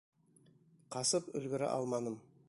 Ҡасып өлгөрә алманым.